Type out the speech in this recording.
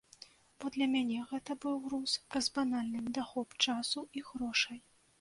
Бо для мяне гэта быў груз праз банальны недахоп часу і грошай.